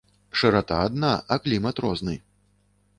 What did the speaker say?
Шырата адна, а клімат розны.